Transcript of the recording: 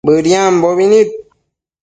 Bëdiambo nid